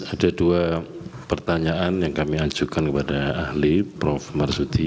ada dua pertanyaan yang kami ajukan kepada ahli prof marsudi